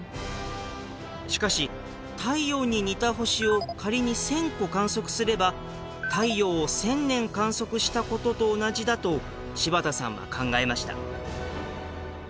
しかし太陽に似た星を仮に１０００個観測すれば太陽を１０００年観測したことと同じだと柴田さんは考えました。